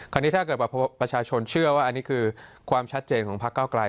ถ้าเกิดว่าประชาชนเชื่อว่าอันนี้คือความชัดเจนของพักเก้าไกล